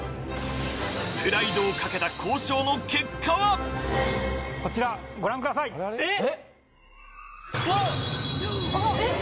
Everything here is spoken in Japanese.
プライドをかけた交渉の結果はこちらご覧くださいえっうわ